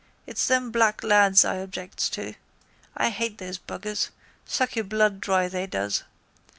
It's them black lads I objects to. I hate those buggers. Suck your blood dry, they does.